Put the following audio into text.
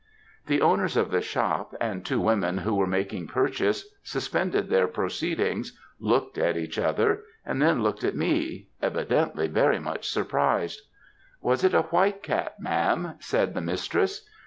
"The owners of the shop, and two women who were making purchases, suspended their proceedings, looked at each other, and then looked at me, evidently very much surprised. "'Was it a white cat, ma'am?' said the mistress.